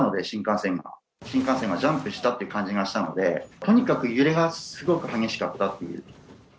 新幹線がジャンプしたって感じがしたので、とにかく揺れがすごく激しかったという。